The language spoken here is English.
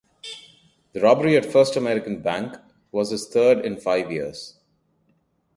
The robbery at First American Bank was his third in five years.